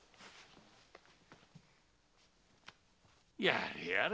やれやれ。